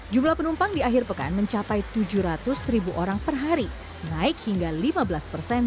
jumlah penumpang di akhir pekan mencapai tujuh ratus ribu orang per hari naik hingga lima belas persen